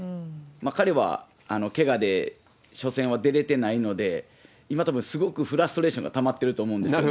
彼はけがで初戦は出れてないので、今、たぶんすごくフラストレーションがたまってると思うんですよね。